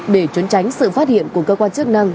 để trốn tránh sự phát hiện của cơ quan chức năng